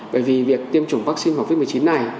bởi vì việc tiêm chủng vaccine covid một mươi chín này